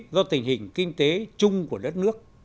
do tình hình kinh tế chung của đất nước